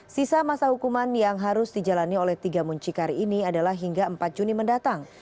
sisa masa hukuman yang harus dijalani oleh tiga muncikari ini adalah hingga empat juni mendatang